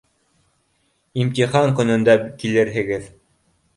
— Имтихан көнөндә килерһегеҙ.